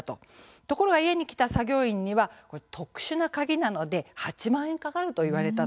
ところが家に来た作業員には特殊な鍵なので８万円かかると言われた。